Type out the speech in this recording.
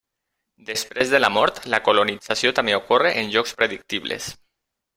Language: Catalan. Després de la mort, la colonització també ocorre en llocs predictibles.